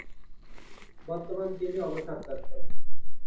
বর্তমানে তিনি অবসরপ্রাপ্ত।